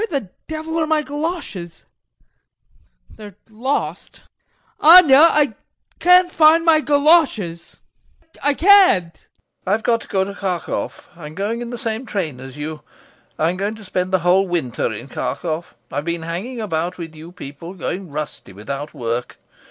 Where the devil are my goloshes? They're lost. [Through the door] Anya, I can't find my goloshes! I can't! LOPAKHIN. I've got to go to Kharkov. I'm going in the same train as you. I'm going to spend the whole winter in Kharkov. I've been hanging about with you people, going rusty without work.